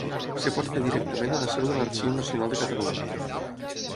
Es pot fer directament a la seu de l'Arxiu Nacional de Catalunya.